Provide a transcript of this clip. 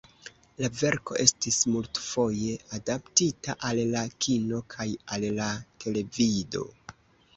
La verko estis multfoje adaptita al la kino kaj al la televido.